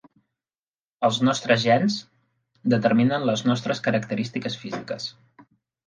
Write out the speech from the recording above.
Els nostres gens determinen les nostres característiques físiques.